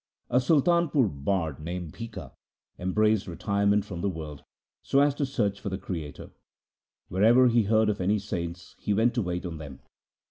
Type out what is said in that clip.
A Sultanpur bard named Bhikha embraced retire ment from the world so as to search for the Creator. Wherever he heard of any saints he went to wait on them.